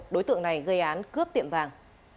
đối tượng này gây án cướp tiệm vàng